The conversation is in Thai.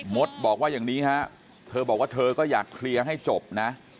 มดบอกว่าอย่างนี้ฮะเธอบอกว่าเธอก็อยากเคลียร์ให้จบนะ